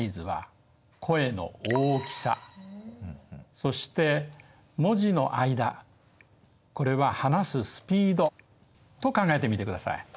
そして文字の間これは話すスピードと考えてみてください。